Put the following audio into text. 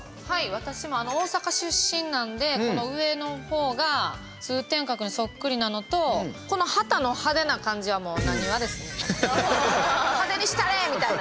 私も大阪出身なのでこの上のほうが通天閣にそっくりなのとこの旗の派手な感じは派手にしたれ！みたいな。